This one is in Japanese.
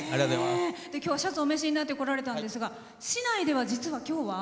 今日はシャツをお召しになってこられたんですが市内では実は今日は？